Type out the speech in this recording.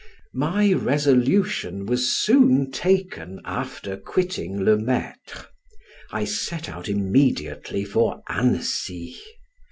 My resolution was soon taken after quitting Le Maitre; I set out immediately for Annecy.